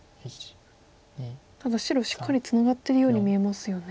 ただ白しっかりツナがってるように見えますよね。